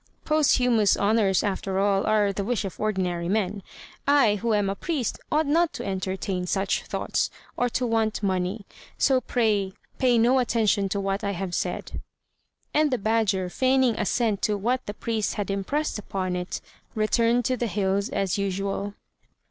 "Posthumous honours, after all, are the wish of ordinary men. I, who am a priest, ought not to entertain such thoughts, or to want money; so pray pay no attention to what I have said;" and the badger, feigning assent to what the priest had impressed upon it, returned to the hills as usual.